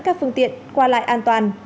các phương tiện qua lại an toàn